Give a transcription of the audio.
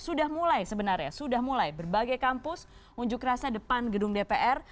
sudah mulai sebenarnya sudah mulai berbagai kampus unjuk rasa depan gedung dpr